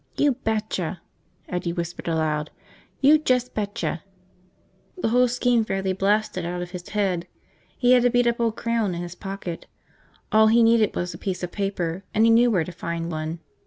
"You betcha!" Eddie whispered aloud. "You just betcha!" The whole scheme fairly blasted out of his head. He had a beat up old crayon in his pocket. All he needed was a piece of paper, and he knew where to find one.